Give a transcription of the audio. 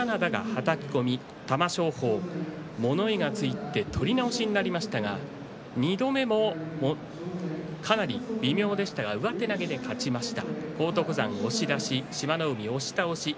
玉正鳳、物言いがついて取り直しになりましたが２度目もかなり微妙でしたが上手投げで勝ちました。